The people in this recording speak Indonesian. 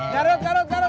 garut garut garut